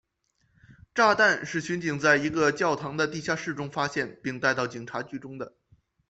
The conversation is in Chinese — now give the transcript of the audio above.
炸弹是巡警在一个教堂的地下室中发现并带到警察局中的。